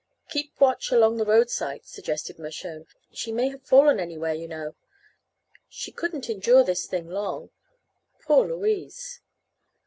"Keep watch along the roadside," suggested Mershone; "she may have fallen anywhere, you know. She couldn't endure this thing long. Poor Louise!"